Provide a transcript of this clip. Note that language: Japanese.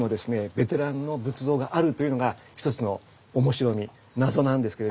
ベテランの仏像があるというのが一つの面白み謎なんですけれども。